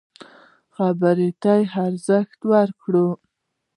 خبرو ته ارزښت ورکړه.